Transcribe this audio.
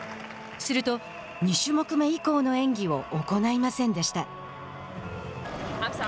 すると、２種目目以降の演技を行いませんでした。